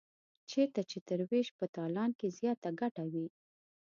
چېرته چې تر وېش په تالان کې زیاته ګټه وي.